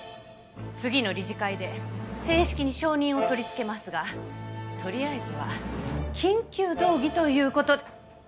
次の理事会で正式に承認を取り付けますがとりあえずは緊急動議という事で。